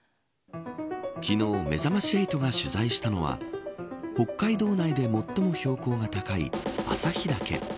昨日、めざまし８が取材したのは北海道内で最も標高が高い旭岳。